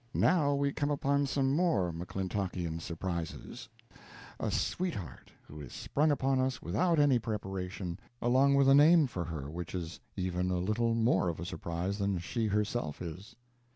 Now we come upon some more McClintockian surprises a sweetheart who is sprung upon us without any preparation, along with a name for her which is even a little more of a surprise than she herself is.